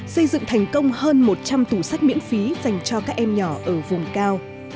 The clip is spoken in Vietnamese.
xây dựng thành công hơn một trăm linh tủ sách miễn phí dành cho các em nhỏ ở vùng cao